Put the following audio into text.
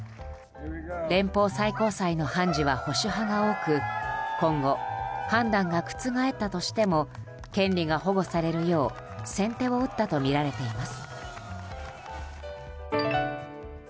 連邦最高裁の判事は保守派が多く今後、判断が覆ったとしても権利が保護されるよう先手を打ったとみられています。